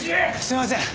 すいません。